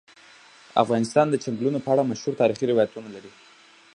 افغانستان د چنګلونه په اړه مشهور تاریخی روایتونه لري.